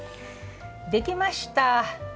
できました！